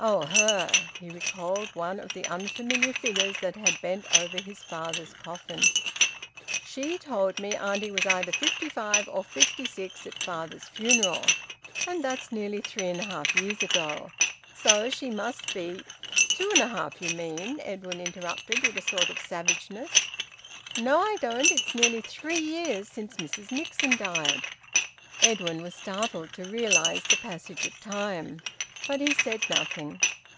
"Oh! Her!" He recalled one of the unfamiliar figures that had bent over his father's coffin. "She told me auntie was either fifty five or fifty six, at father's funeral. And that's nearly three and a half years ago. So she must be " "Two and a half, you mean." Edwin interrupted with a sort of savageness. "No, I don't. It's nearly three years since Mrs Nixon died." Edwin was startled to realise the passage of time. But he said nothing.